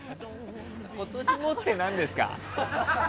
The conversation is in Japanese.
今年もって何ですか？